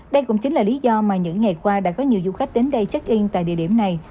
đây cũng chính là lý do mà những ngày qua đã có nhiều du khách đến đây check in tại địa điểm này